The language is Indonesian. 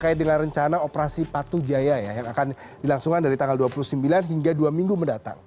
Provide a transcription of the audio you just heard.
terkait dengan rencana operasi patu jaya yang akan dilangsungkan dari tanggal dua puluh sembilan hingga dua minggu mendatang